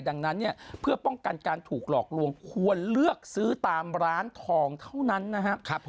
ดังนั้นเนี่ยเพื่อป้องกันการถูกหลอกลวงควรเลือกซื้อตามร้านทองเท่านั้นนะครับ